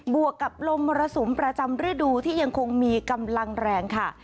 วกกับลมมรสุมประจำฤดูที่ยังคงมีกำลังแรงค่ะ